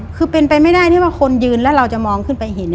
คือเป็นไปไม่ได้ที่ว่าคนยืนแล้วเราจะมองขึ้นไปเห็น